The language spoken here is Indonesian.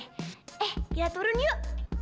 eh kita turun yuk